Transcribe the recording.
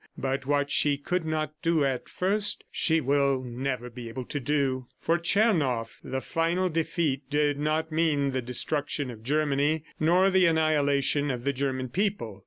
... But what she could not do at first, she will never be able to do." For Tchernoff, the final defeat did not mean the destruction of Germany nor the annihilation of the German people.